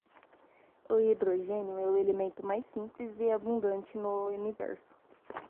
O hidrogénio é o elemento mais simples e abundante no universo.